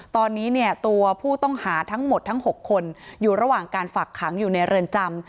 ตอนนี้เนี่ยตัวผู้ต้องหาทั้งหมดทั้ง๖คนอยู่ระหว่างการฝักขังอยู่ในเรือนจำ